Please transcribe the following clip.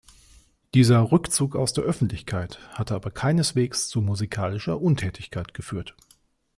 Dieser Rückzug aus der Öffentlichkeit hatte aber keineswegs zu musikalischer Untätigkeit geführt.